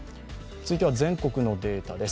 続いては全国のデータです。